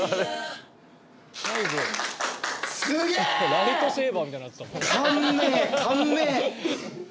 ライトセーバーみたいになってたもん。